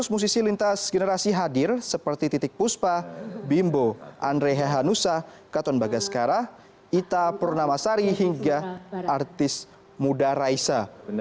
dua ratus musisi lintas generasi hadir seperti titik puspa bimbo andre hehanusa katon bagaskara ita purnamasari hingga artis muda raisa